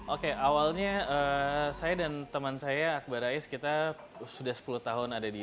oke awalnya saya dan teman saya akbar rais kita sudah sepuluh tahun ada di